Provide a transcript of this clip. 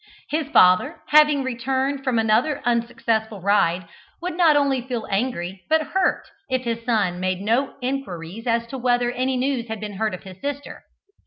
His father, having returned from another unsuccessful ride, would not only feel angry, but hurt, if his son made no inquiries as to whether any news had been heard of his sister.